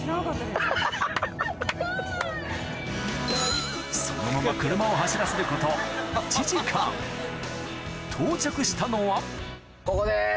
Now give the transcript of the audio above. すごい！そのまま車を走らせること１時間到着したのはここです。